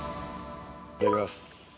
いただきます。